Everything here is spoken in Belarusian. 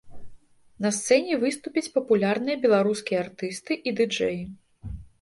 На сцэне выступяць папулярныя беларускія артысты і ды-джэі.